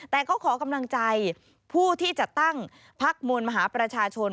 แต่เขาก็ขอกำลังใจผู้ที่จะตั้งภาคมนตร์มหาประชาชน